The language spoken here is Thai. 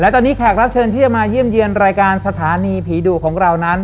ตอนนี้แขกรับเชิญมาเยี่ยมเยี่ยมรายการสถานีผีดูคนนั้น